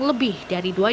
lebih dari dua meter